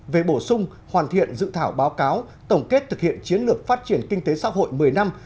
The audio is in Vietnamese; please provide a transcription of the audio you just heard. về bổ sung hoàn thiện dự thảo báo cáo tổng kết thực hiện chiến lược phát triển kinh tế xã hội một mươi năm